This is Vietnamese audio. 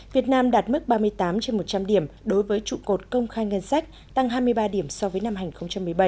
việt nam đạt mức ba mươi tám trên một trăm linh điểm đối với trụ cột công khai ngân sách tăng hai mươi ba điểm so với năm hành một mươi bảy